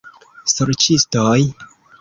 Sorĉistoj?